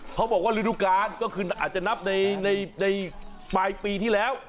เขาบอกว่าฤดูกาลก็คืออาจจะนับในปลายปีที่แล้ว